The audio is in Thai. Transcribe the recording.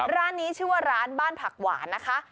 ร้านนี้ชื่อว่าร้านบ้านผักหวานนะคะ